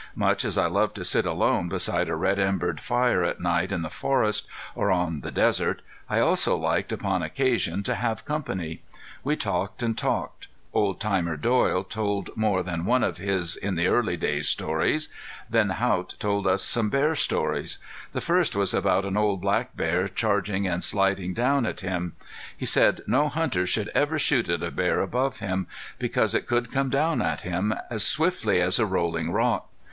Much as I loved to sit alone beside a red embered fire at night in the forest, or on the desert, I also liked upon occasions to have company. We talked and talked. Old timer Doyle told more than one of his "in the early days" stories. Then Haught told us some bear stories. The first was about an old black bear charging and sliding down at him. He said no hunter should ever shoot at a bear above him, because it could come down at him as swiftly as a rolling rock.